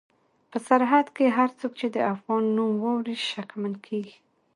په سرحد کې هر څوک چې د افغان نوم واوري شکمن کېږي.